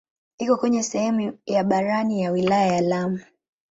Iko kwenye sehemu ya barani ya wilaya ya Lamu.